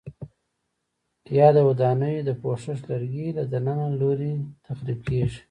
یا د ودانیو د پوښښ لرګي له دننه لوري تخریب کېږي؟